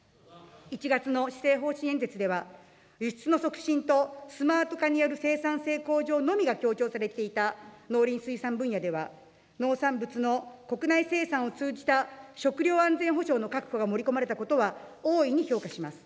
１月の施政方針演説では輸出の促進とスマート化による生産性向上のみが強調されていた農林水産分野では、農産物の国内生産を通じた食料安全保障の確保が盛り込まれたことは大いに評価します。